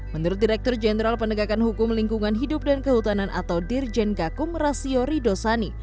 menurut direktur jenderal pendegakan hukum lingkungan hidup dan kehutanan atau dirjen gakum rasiori dosani